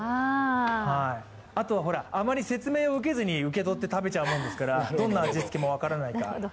あとはあまり説明を受けずに受け取って食べちゃうもんですからどんな味付けかも分からない